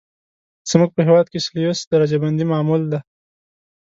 زموږ په هېواد کې سلسیوس درجه بندي معمول ده.